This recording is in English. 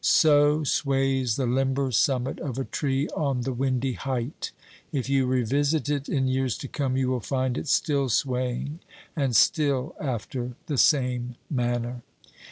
So sways the limber summit of a tree on the windy height ; if you revisit it in years to come, you will find it still swaying and still after the same manner.